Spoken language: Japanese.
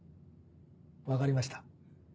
分かりました。